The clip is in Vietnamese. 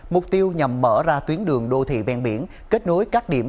mục tiêu nhằm mở ra tuyến đường đô thị ven biển kết nối các điểm